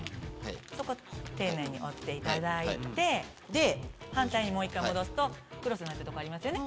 そこ丁寧に折っていただいてで反対にもう一回戻すとクロスになってる所ありますよね